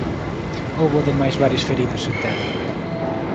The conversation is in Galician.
Houbo ademais varios feridos en terra.